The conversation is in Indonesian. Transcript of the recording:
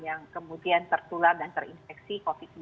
yang kemudian tertular dan terinfeksi covid sembilan belas